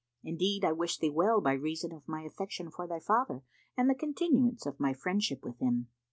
Indeed I wish thee well by reason of my affection for thy father and the continuance of my friendship with him."